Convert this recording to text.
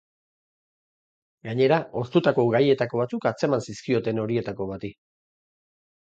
Gainera, ostutako gaietako batzuk atzeman zizkioten horietako bati.